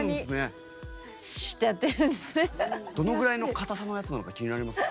どのぐらいのかたさのやつなのか気になりますね。